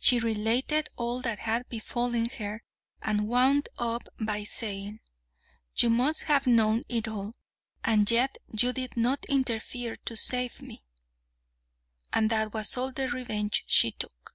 She related all that had befallen her, and wound up by saying, "You must have known it all, and yet you did not interfere to save me." And that was all the revenge she took.